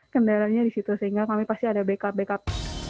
kendalanya di situ sehingga kami pasti ada backup backup